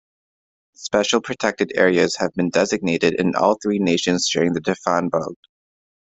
Special protected areas have been designated in all three nations sharing the Tavan Bogd.